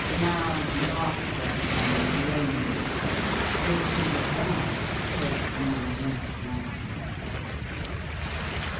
Loud laughter and groans, which he was bound to take more or less lightly.